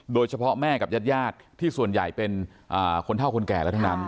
แม่กับญาติที่ส่วนใหญ่เป็นคนเท่าคนแก่แล้วทั้งนั้น